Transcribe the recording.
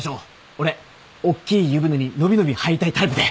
俺おっきい湯船に伸び伸び入りたいタイプで。